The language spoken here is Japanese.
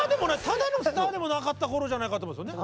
ただのスターでもなかった頃じゃないかと思うんですよね。